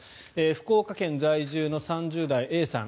福岡県在住の３０代、Ａさん。